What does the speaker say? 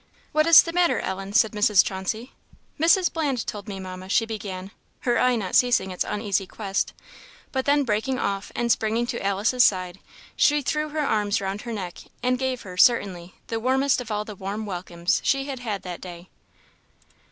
"What is the matter, Ellen?" said Mrs. Chauncey. "Mrs. Bland told me, Mamma," she began, her eye not ceasing its uneasy quest; but then breaking off and springing to Alice's side, she threw her arms round her neck, and gave her, certainly, the warmest of all the warm welcomes she had had that day.